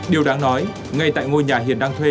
điều đáng nói ngay tại ngôi nhà hiện đang thuê